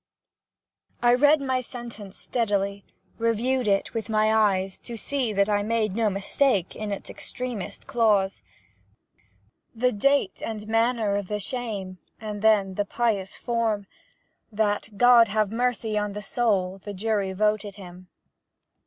VII. I read my sentence steadily, Reviewed it with my eyes, To see that I made no mistake In its extremest clause, The date, and manner of the shame; And then the pious form That "God have mercy" on the soul The jury voted him.